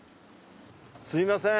すいません。